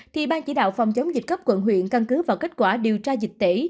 thì bang chỉ đạo phòng chống dịch cấp quận huyện căn cứ vào kết quả điều tra dịch tệ